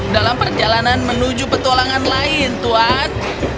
dalam perjalanan menuju petualangan lain tuan